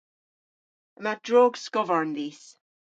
Yma drog skovarn dhis.